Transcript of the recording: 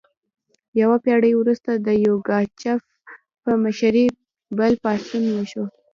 یوه پیړۍ وروسته د یوګاچف په مشرۍ بل پاڅون وشو.